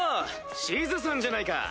シズさんじゃないか。